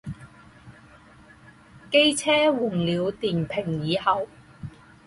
机车换了电瓶以后